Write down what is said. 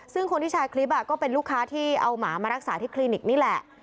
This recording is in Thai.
ซึ่งคนที่แชร์คลิปก็เป็นลูกค้าที่เอาหมามารักษาที่คลินิกนี่แหละ